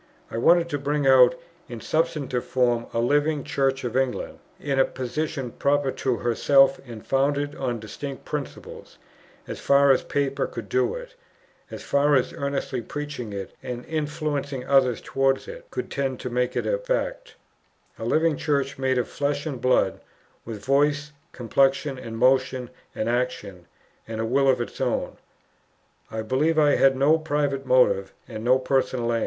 I wanted to bring out in a substantive form a living Church of England, in a position proper to herself, and founded on distinct principles; as far as paper could do it, as far as earnestly preaching it and influencing others towards it, could tend to make it a fact; a living Church, made of flesh and blood, with voice, complexion, and motion and action, and a will of its own. I believe I had no private motive, and no personal aim.